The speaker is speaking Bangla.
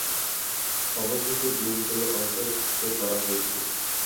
অবশেষে ডিমগুলো অন্তর্ভুক্ত করা হয়েছিল।